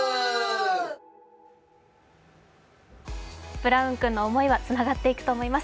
ブラウン君の思いはつながっていくと思います。